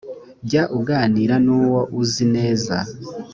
jya uganira n uwo uzi neza